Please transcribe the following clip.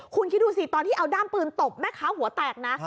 คุณคิดดูสิตอนที่เอาด้ามปืนตบแม่ค้าหัวแตกนะ